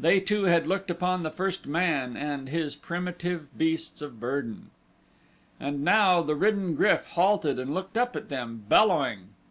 They two had looked upon the first man and his primitive beasts of burden. And now the ridden GRYF halted and looked up at them, bellowing.